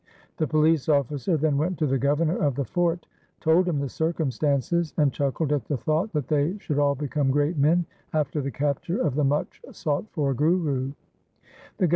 The police officer then went to the governor of the fort, told him the circumstances, and chuckled at the thought that they should all become great men after the capture of the much sought for Guru.